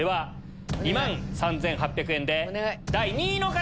２万３８００円で第２位の方！